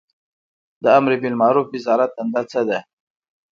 د امربالمعروف وزارت دنده څه ده؟